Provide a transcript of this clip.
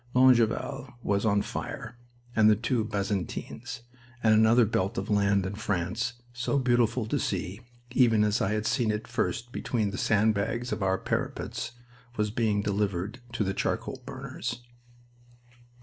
Longueval was on fire, and the two Bazentins, and another belt of land in France, so beautiful to see, even as I had seen it first between the sand bags of our parapets, was being delivered to the charcoal burners.